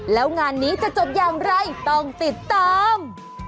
แล้วงานนี้จะจบอย่างไรต้องติดตาม